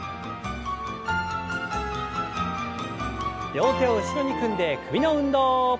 両手を後ろに組んで首の運動。